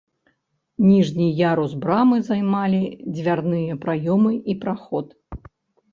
Ніжні ярус брамы займалі дзвярныя праёмы і праход.